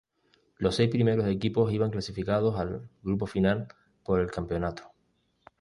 Los seis primeros equipos iban clasificados al grupo final por el campeonato.